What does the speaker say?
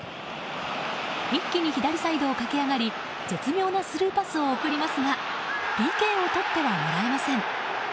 一気に左サイドを駆け上がり絶妙なスルーパスを送りますがＰＫをとってはもらえません。